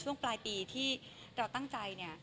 ช่วงปลายปีที่ที่เราตั้งใจ